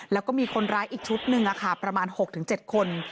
แล้วก็มีคนร้ายอีกชุดหนึ่งอ่ะค่ะประมาณหกถึงเจ็ดคน